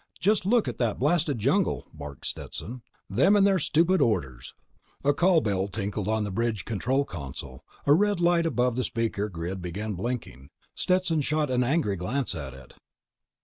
"Just look at that blasted jungle!" barked Stetson. "Them and their stupid orders!" A call bell tinkled on the bridge control console. The red light above the speaker grid began blinking. Stetson shot an angry glance at it.